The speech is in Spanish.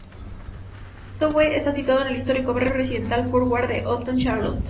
The Vue está situado en el histórico barrio residencial Fourth Ward de Uptown Charlotte.